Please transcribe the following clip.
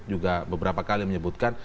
juga beberapa kali menyebutkan